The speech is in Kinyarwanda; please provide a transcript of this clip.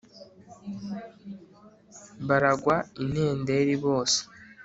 baragwa intenderi bose